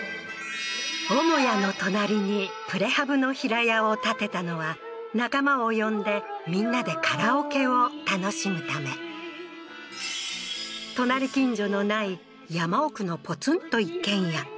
母屋の隣にプレハブの平屋を建てたのは仲間を呼んでみんなでカラオケを楽しむため隣近所のない山奥のポツンと一軒家